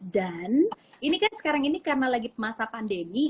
dan ini kan sekarang ini karena lagi masa pandemi